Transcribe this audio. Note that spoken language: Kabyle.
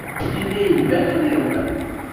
Yella iban ad yerbeḥ.